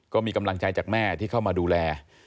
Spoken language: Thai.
ก็มีกำลังใจจากแม่ที่เข้ามาดูแล